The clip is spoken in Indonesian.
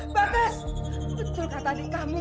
bagas betul kata adik kamu